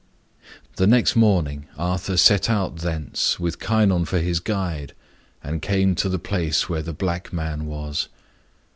The next morning Arthur set out thence, with Kynon for his guide, and came to the place where the black man was.